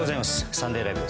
「サンデーＬＩＶＥ！！」